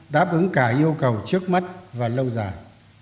đáp ứng cả yêu cầu trước mắt và lâu dài